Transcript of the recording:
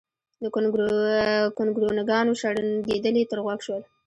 د ګونګرونګانو شړنګېدل يې تر غوږ شول